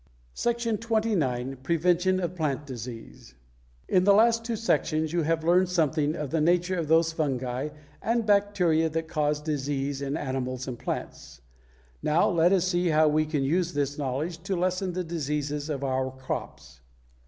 SECTION XXIX. PREVENTION OF PLANT DISEASE In the last two sections you have learned something of the nature of those fungi and bacteria that cause disease in animals and plants. Now let us see how we can use this knowledge to lessen the diseases of our crops.